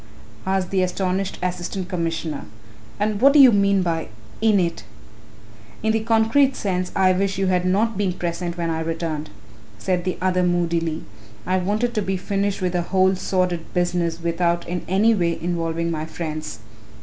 asked the astonished Assistant Commissioner, "and what do you mean by 'in it'?" "In the concrete sense I wish you had not been present when I returned," said the other moodily, "I wanted to be finished with the whole sordid business without in any way involving my friends."